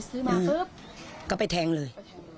อึ๊ก็ไปแทงเลย